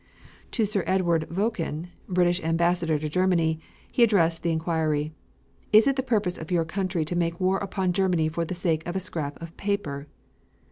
To Sir Edward Vochen, British Ambassador to Germany, he addressed the inquiry: "Is it the purpose of your country to make war upon Germany for the sake of a scrap of paper?"